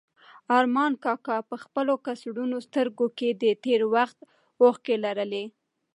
ارمان کاکا په خپلو کڅوړنو سترګو کې د تېر وخت اوښکې لرلې.